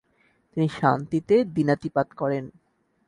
তিনি শান্তিতে দিনাতিপাত করেন।